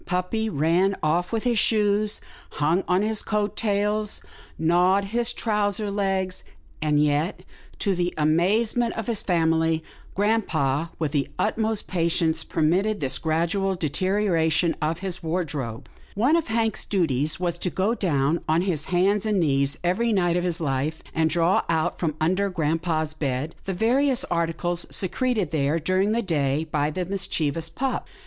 Puppy ran off with his shoes, hung on his coat tails, gnawed his trousers legs, and yet, to the amazement of his family, grampa, with the utmost patience, permitted this gradual deterioration of his wardrobe. 120 'TILDA JANE'S ORPHANS One of Hank's duties was to go down on his hands and knees every night of his Hfe, and draw out, from under grampa's bed, the various articles secreted there during the day by the mischievous pup.